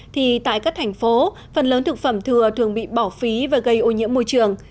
thì tại các thành phố phần lớn thực phẩm thừa thường bị bỏ phí và gây ô nhiễm môi trường